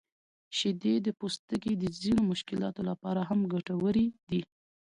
شیدې د پوستکي د ځینو مشکلاتو لپاره هم ګټورې دي.